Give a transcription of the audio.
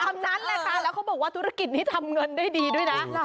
คำนั้นแหละค่ะแล้วเขาบอกว่าธุรกิจนี้ทำเงินได้ดีด้วยนะ